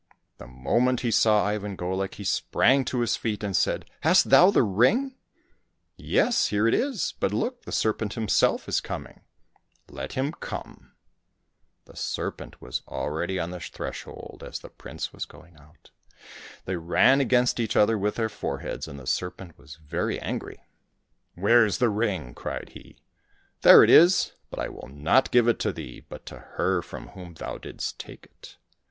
The moment he saw Ivan GoUk he sprang to his feet, and said, '' Hast thou the ring ?"" Yes, here it is ! But look ! the serpent himself is coming !"" Let him come !" The serpent was already on the threshold as the prince was going out. They ran against each other with their foreheads, and the serpent was very angry. " Where's the ring ?" cried he. " There it is ! But I will not give it to thee, but to her from whom thou didst take it."